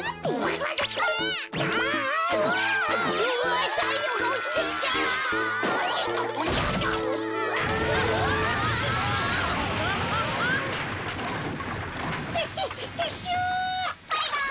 バイバイ。